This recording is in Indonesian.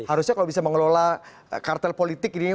harusnya kalau bisa mengelola kartel politik ini